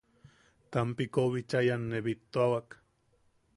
Tampikou bicha ian ne bittuawak.